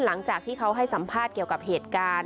หลังจากที่เขาให้สัมภาษณ์เกี่ยวกับเหตุการณ์